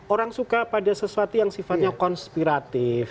orang suka pada sesuatu yang sifatnya konspiratif